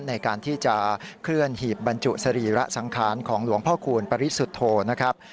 ในการที่จะเคลื่อนหีบบรรจุสรีระสังขารของหลวงพ่อคูณปริสุทธโธนะครับ